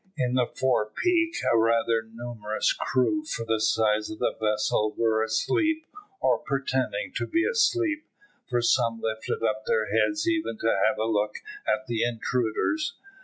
In the fore peak a rather numerous crew for the size of the vessel were asleep, or pretending to be asleep, for some lifted up their heads even to have a look at the intruders.